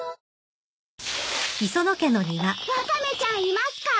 ワカメちゃんいますか？